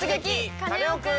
カネオくん」。